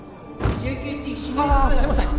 すいません